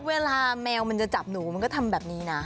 แมวมันจะจับหนูมันก็ทำแบบนี้นะ